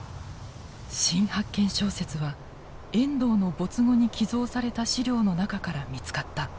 新発見小説は遠藤の没後に寄贈された資料の中から見つかった。